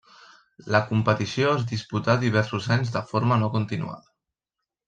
La competició es disputà diversos anys de forma no continuada.